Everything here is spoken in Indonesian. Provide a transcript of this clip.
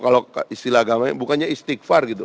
kalau istilah agamanya bukannya istighfar gitu